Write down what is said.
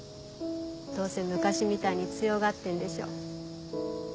どうせ昔みたいに強がってんでしょ。